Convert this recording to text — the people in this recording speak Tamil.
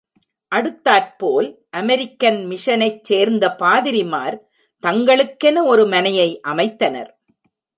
அடுத்தாற்போல் அமெரிக்கன் மிஷனைச் சேர்ந்த பாதிரிமார் தங்களுக்கென ஒரு மனையை அமைத்தனர்.